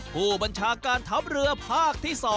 ผู้บัญชาการทัพเรือภาคที่๒